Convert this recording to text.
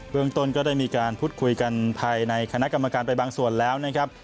เมืองต้นก็ได้มีการพูดคุยกันภายในคณะกรรมการไปบางส่วนแล้วนะครับ